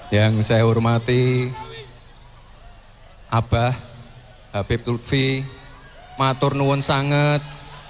yang saya hormati abah habib tulfi maturnuun sanget